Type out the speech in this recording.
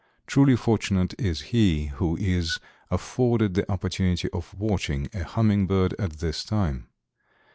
Truly fortunate is he who is afforded the opportunity of watching a hummingbird at this time.